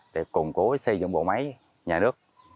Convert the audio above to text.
để củng cố xây dựng bộ máy nhà nước